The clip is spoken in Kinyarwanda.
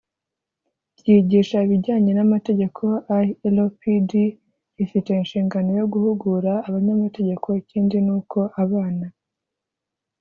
Ryigisha ibijyanye n amategeko ilpd rifite inshingano yo guhugura abanyamategeko ikindi n uko abana